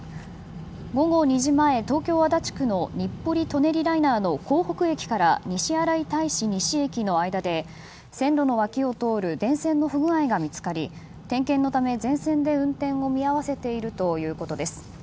午後２時前、東京・足立区の日暮里・舎人ライナーの駅間で線路の脇を通る電線の不具合が見つかり点検のため全線で運転を見合わせているということです。